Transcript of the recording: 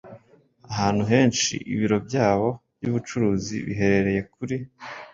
ahantu henshi Ibiro byayo byubucuruzi biherereye kuri